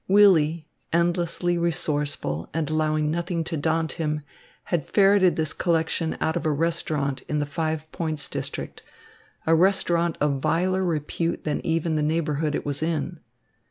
Willy, endlessly resourceful and allowing nothing to daunt him, had ferreted this collection out of a restaurant in the Five Points district, a restaurant of viler repute than even the neighbourhood it was in.